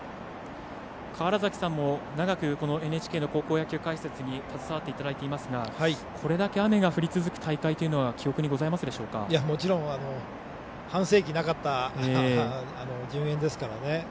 川原崎さんも長くＮＨＫの高校野球解説に携わっていただいていますがこれだけ雨が降り続く大会は記憶にございますでしょうかもちろん、半世紀なかった順延ですからね。